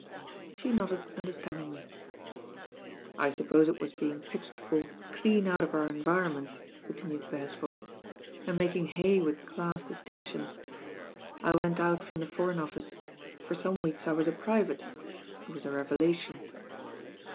She nodded underst^ndingly. "I suppose it was being pitchforked clean out of our environment," continued Beresford, "and mak ing hay with class distinctions. I went out from the Foreign Office. For some weeks I was a pri vate ; it was a revelation."